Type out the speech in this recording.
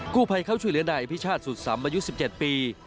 ผู้ภัยเข้าช่วยเหลือนายพิชาติสุดสำอายุ๑๗ปี